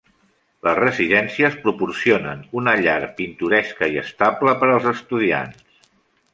Les residències proporcionen una llar pintoresca i estable per als estudiants.